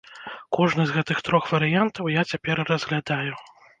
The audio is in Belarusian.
Кожны з гэтых трох варыянтаў я цяпер разглядаю.